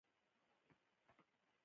کم مالياتو نرم چلند ګټه رسېږي.